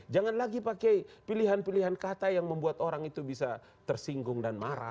jangan lagi pakai pilihan pilihan kata yang membuat orang itu bisa tersinggung dan marah